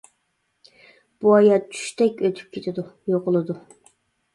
بۇ ھايات چۈشتەك ئۆتۈپ كېتىدۇ، يوقىلىدۇ.